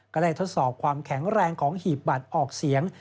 ได้ทดสอบความแข็งแรงของหีบบัตรออกเสียง